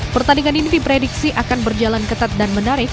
pertandingan ini diprediksi akan berjalan ketat dan menarik